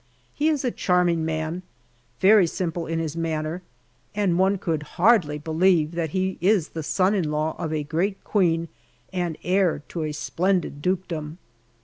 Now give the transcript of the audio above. He is a charming man, very simple in his manner, and one could hardly believe that he is the son in law of a great queen and heir to a splendid dukedom.